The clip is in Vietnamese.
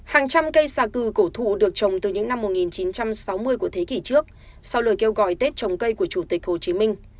hàng trăm cây xà cừ cổ thụ được trồng từ những năm một nghìn chín trăm sáu mươi của thế kỷ trước sau lời kêu gọi tết trồng cây của chủ tịch hồ chí minh